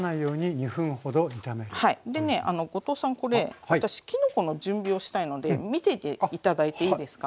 でね後藤さんこれ私きのこの準備をしたいので見ていて頂いていいですか？